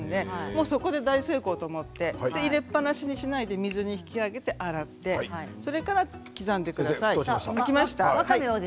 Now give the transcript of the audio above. そこで大成功と思って入れっぱなしにしないで水に引き上げて洗って刻んでください。